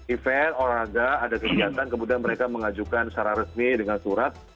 event olahraga ada kegiatan kemudian mereka mengajukan secara resmi dengan surat